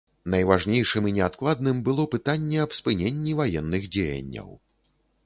Найважнейшым і неадкладным было пытанне аб спыненні ваенных дзеянняў.